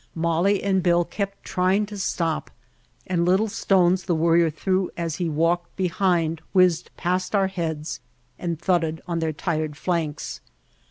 Molly and Bill kept trying to stop, and little stones the Worrier threw as he walked behind whizzed past our heads and thudded on their tired flanks.